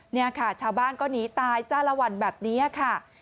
นี่ค่ะชาวบ้านก็หนีตายจ้าละวันแบบนี้ค่ะ